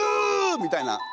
みたいな。